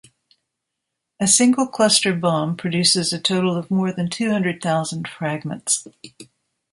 A single cluster bomb produces a total of more than two hundred thousand fragments.